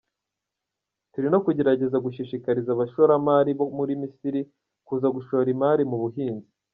Turi no kugerageza gushishikariza abashoramari bo mu Misiri kuza gushora imari mu buhinzi.